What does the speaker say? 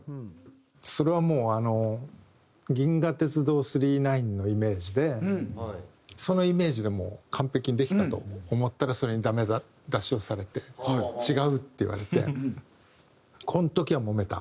それはもうあの『銀河鉄道９９９』のイメージでそのイメージでもう完璧にできたと思ったらそれにダメ出しをされて「違う！！」って言われて。